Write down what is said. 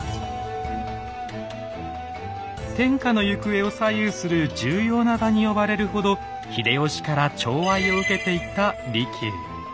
天下の行方を左右する重要な場に呼ばれるほど秀吉から寵愛を受けていた利休。